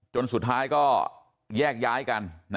จนสุดท้ายก็แยกย้ายกัน